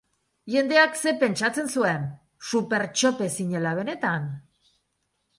Jendeak zer pentsatzen zuen, Supertxope zinela benetan?